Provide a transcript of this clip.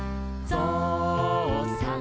ぞうさん